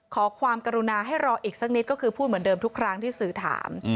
ขอความกรุณาให้รออีกสักนิดก็คือพูดเหมือนเดิมทุกครั้งที่สื่อถาม